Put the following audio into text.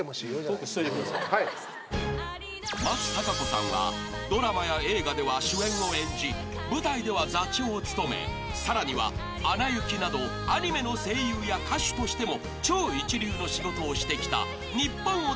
［松たか子さんはドラマや映画では主演を演じ舞台では座長を務めさらには『アナ雪』などアニメの声優や歌手としても超一流の仕事をしてきた日本を代表する俳優］